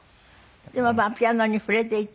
でもまあピアノに触れていた。